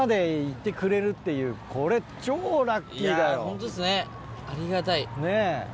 ホントっすねありがたい。